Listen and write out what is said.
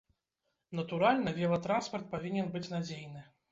Натуральна, велатранспарт павінен быць надзейны.